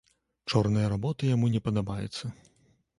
Чорная работа яму не падабаецца.